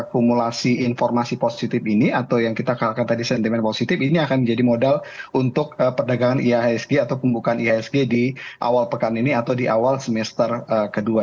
jadi kalau kita lihat akumulasi informasi positif ini atau yang kita katakan tadi sentimen positif ini akan menjadi modal untuk perdagangan ihsg atau pembukaan ihsg di awal pekan ini atau di awal semester kedua